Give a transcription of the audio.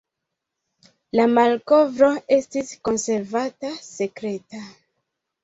La malkovro estis konservata sekreta.